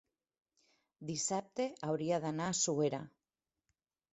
Dissabte hauria d'anar a Suera.